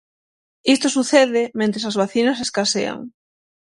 Isto sucede, mentres as vacinas escasean.